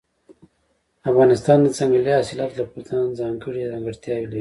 افغانستان د ځنګلي حاصلاتو له پلوه ځانته ځانګړې ځانګړتیاوې لري.